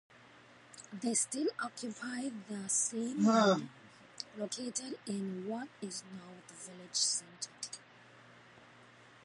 They still occupy the same land located in what is now the village center.